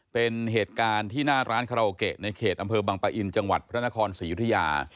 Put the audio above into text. เป็นเหตุการณ์ที่หน้าร้านคาราโอเกะในเขตอำเภอบังปะอินจังหวัดพระนครศรียุธยา